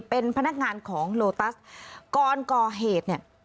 เป็นพนักงานของโลตัสก่อนก่อเหตุเนี่ย